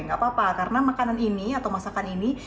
gak apa apa karena makanan ini atau masakan ini